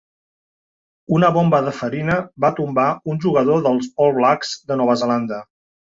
Una bomba de farina va tombar un jugador dels All Blacks de Nova Zelanda.